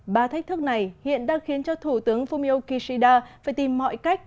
ba thách thức này hiện đang khiến cho thủ tướng fumio kishida phải tìm mọi cách